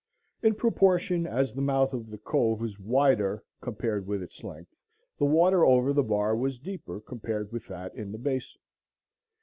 In proportion as the mouth of the cove was wider compared with its length, the water over the bar was deeper compared with that in the basin.